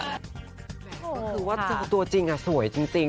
ก็คือว่าตัวจริงสวยจริง